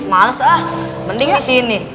males ah mending disini